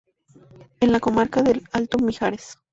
En la comarca del Alto Mijares.